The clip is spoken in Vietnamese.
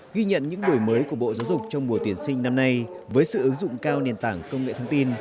ghi nhận những đổi mới của bộ giáo dục trong mùa tuyển sinh năm nay với sự ứng dụng cao nền tảng công nghệ thông tin